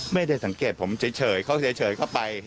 ไม่ได้สังเกตผมเฉยเขาไป